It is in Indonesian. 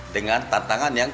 dengan tantangan yang